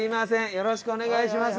よろしくお願いします。